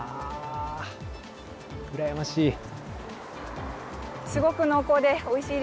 ああ、うらやましい。